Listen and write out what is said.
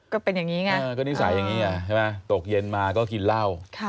ก็เป็นอย่างนี้ไงก็นิสัยอย่างนี้ไงใช่ไหมตกเย็นมาก็กินเหล้า